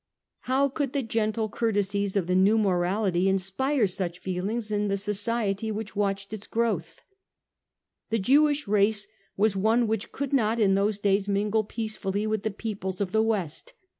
How could the gentle courtesies of the new morality inspire such feelings in the society which watched its growth? The Jewish race was one which could not in those days mingle peacefully with the peoples of the due partly West.